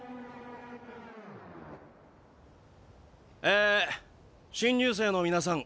え新入生の皆さん